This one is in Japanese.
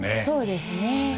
そうですね。